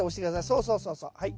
そうそうそうそうはい。